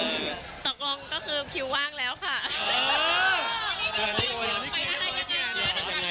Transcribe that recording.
ตกลงก็คือคิวว่างแล้วค่ะ